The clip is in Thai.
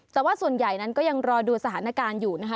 แต่ว่าส่วนใหญ่นั้นก็ยังรอดูสถานการณ์อยู่นะคะ